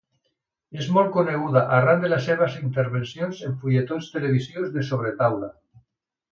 És molt coneguda arran de les seves intervencions en fulletons televisius de sobretaula.